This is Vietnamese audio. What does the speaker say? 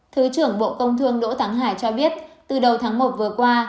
thứ trưởng bộ công thương đỗ thắng hải cho biết từ đầu tháng một vừa qua